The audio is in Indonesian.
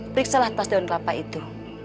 periksalah tas daun kelapa itu